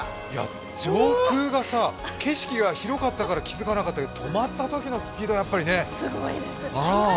上空が景色が広かったから気づかなかったけど止まったときのスピードがね。